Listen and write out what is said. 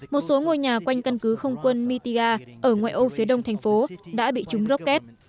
một số ngôi nhà quanh căn cứ không quân mitiga ở ngoại ô phía đông thành phố đã bị chúng rocket